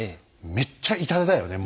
めっちゃ痛手だよね